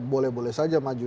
boleh boleh saja maju